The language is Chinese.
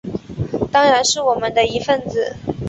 当然是我们的一分子